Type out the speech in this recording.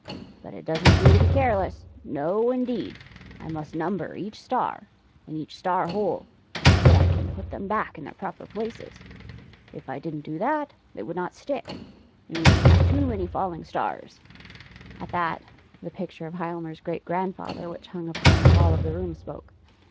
But it doesn't do to be careless. No, indeed! I must number [ 38 ] OLE SHUT EYES each star, and each star hole, so that I can put them back in their proper places. If I didn't do that they would not stick, and we should have too many falling stars." At that, the picture of Hialmar's gi'eat grandfather, which hung upon the wall of the room, spoke.